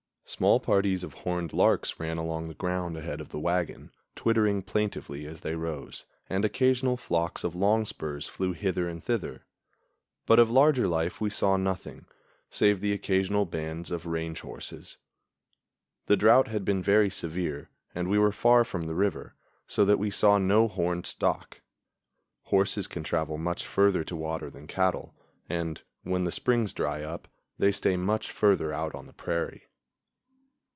Small parties of horned larks ran along the ground ahead of the wagon, twittering plaintively as they rose, and occasional flocks of longspurs flew hither and thither; but of larger life we saw nothing, save occasional bands of range horses. The drought had been very severe and we were far from the river, so that we saw no horned stock. Horses can travel much further to water than cattle, and, when the springs dry up, they stay much further out on the prairie.